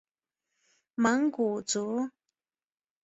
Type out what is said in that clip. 蒙古族。